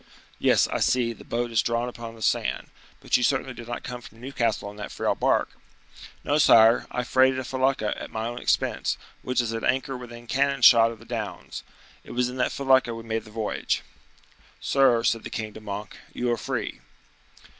"Yes, I see; the boat is drawn upon the sand; but you certainly did not come from Newcastle in that frail bark?" "No, sire; I freighted a felucca, at my own expense, which is at anchor within cannon shot of the downs. It was in that felucca we made the voyage." "Sir," said the king to Monk, "you are free."